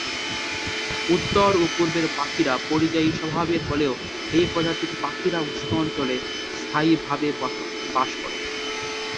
উত্তর ও পূর্বের পাখিরা পরিযায়ী স্বভাবের হলেও এই প্রজাতির পাখিরা উষ্ণ অঞ্চলে স্থায়ী ভাবে বাস করে।